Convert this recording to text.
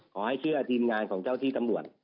ขอให้เชื่อทีมงานของเจ้าที่ตำรวจ